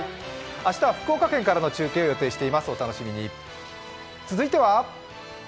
明日は福岡県からの中継を予定しています。